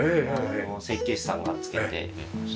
設計士さんが付けてくれました。